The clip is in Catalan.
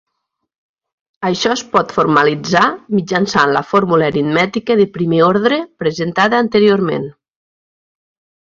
Això es pot formalitzar mitjançant la fórmula aritmètica de primer ordre presentada anteriorment.